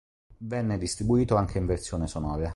Venne distribuito anche in versione sonora.